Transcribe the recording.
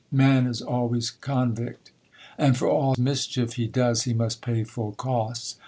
Man is always convict, and for all mischief he does he must pay full costs.